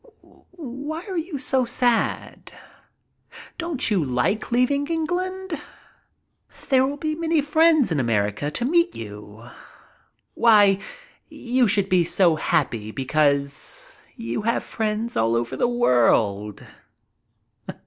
Why are you so sad? Don't you like leaving England? There will be so many friends in America to 146 MY TRIP ABROAD meet you. Why, you should be so happy because you have friends all over the world!"